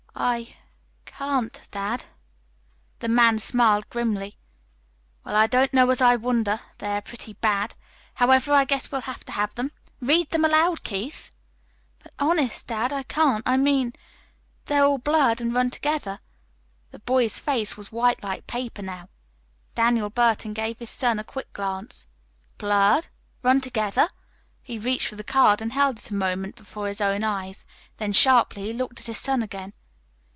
"I can't dad." The man smiled grimly. "Well, I don't know as I wonder. They are pretty bad. However, I guess we'll have to have them. Read them aloud, Keith." "But, honest, dad, I can't. I mean they're all blurred and run together." The boy's face was white like paper now. Daniel Burton gave his son a quick glance. "Blurred? Run together?" He reached for the card and held it a moment before his own eyes. Then sharply he looked at his son again.